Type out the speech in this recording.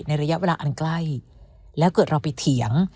ระยะเวลาอันใกล้แล้วเกิดเราไปเถียง